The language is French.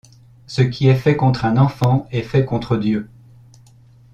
Ce qui est fait contre un enfant est fait contre Dieu.